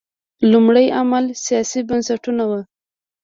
لومړی عامل سیاسي بنسټونه وو.